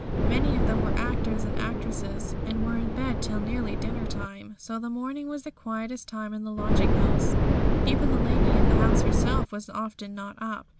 Many of them were actors and actresses, and were in bed till nearly dinner time. So the morning was the quietest time in the lodging house, even the lady of the house herself was often not up.